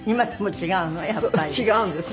違うんです。